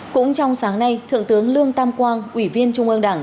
cũng trong sáng nay thượng tướng lương tam quang ủy viên trung ương đảng